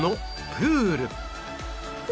プール？